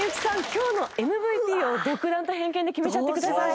今日のＭＶＰを独断と偏見で決めちゃってください。